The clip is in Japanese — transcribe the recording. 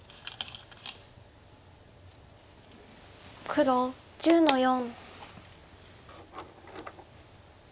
黒１０の四。